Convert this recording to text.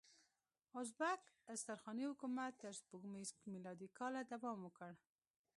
ازبک استرخاني حکومت تر سپوږمیز میلادي کاله دوام وکړ.